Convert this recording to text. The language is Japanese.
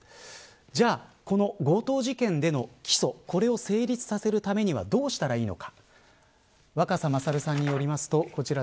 じゃあ、この強盗事件の起訴これを成立させるためにはどうしたらいいのか。